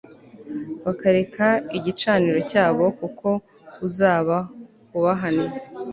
bakareka igicaniro cyabo, kuko uzaba ubahannye